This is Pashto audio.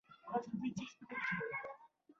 زړه د رحمت شونډه ده.